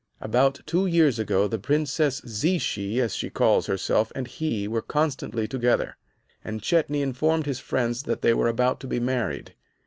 About two years ago the Princess Zichy, as she calls herself, and he were constantly together, and Chetney informed his friends that they were about to be married.